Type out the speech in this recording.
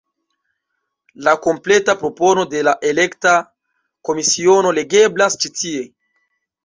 La kompleta propono de la elekta komisiono legeblas ĉi tie.